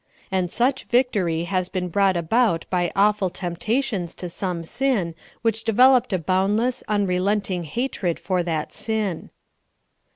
And such victory has been brought about by awful temptations to some sin which developed a boundless, unrelenting hatred for that sin.